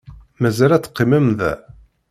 Mazal ad teqqimem da?